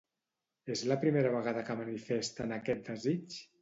És la primera vegada que manifesten aquest desig?